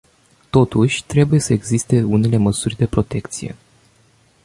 Totuși, trebuie să existe unele măsuri de protecție.